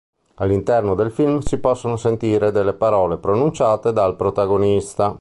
All'interno del film si possono sentire delle parole pronunciate dal protagonista.